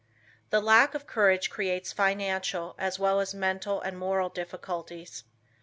The lack of courage creates financial, as well as mental and moral difficulties.